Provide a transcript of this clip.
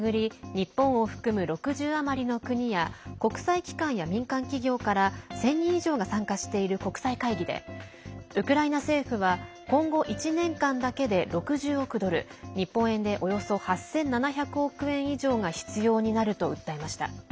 日本を含む６０余りの国や国際機関や民間企業から１０００人以上が参加している国際会議で、ウクライナ政府は今後１年間だけで６０億ドル日本円でおよそ８７００億円以上が必要になると訴えました。